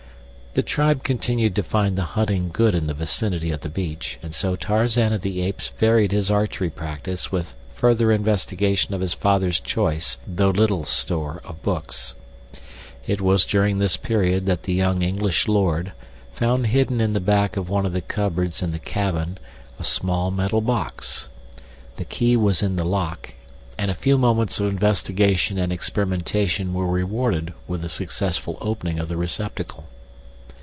The tribe continued to find the hunting good in the vicinity of the beach, and so Tarzan of the Apes varied his archery practice with further investigation of his father's choice though little store of books. It was during this period that the young English lord found hidden in the back of one of the cupboards in the cabin a small metal box. The key was in the lock, and a few moments of investigation and experimentation were rewarded with the successful opening of the receptacle.